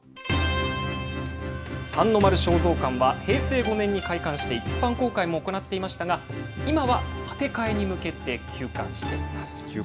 三の丸尚蔵館は、平成５年に開館して、一般公開も行っていましたが、今は建て替えに向けて休館しています。